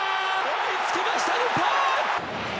追いつきました日本！